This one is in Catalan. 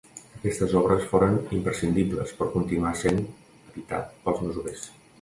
Aquestes obres foren imprescindibles per continuar essent habitat pels masovers.